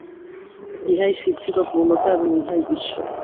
ইহাই সিদ্ধি বা পূর্ণতা এবং ইহাই ঈশ্বর।